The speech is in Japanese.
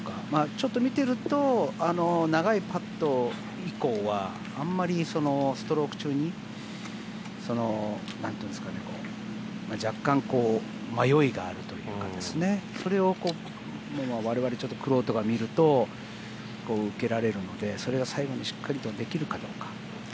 ちょっと見ていると長いパット以降はあんまりストローク中に若干、迷いがあるというかそれを我々玄人が見ると受けられるので、それが最後にしっかりとできるかどうか。